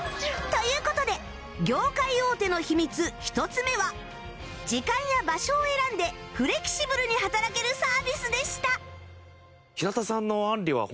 という事で業界大手の秘密１つ目は時間や場所を選んでフレキシブルに働けるサービスでした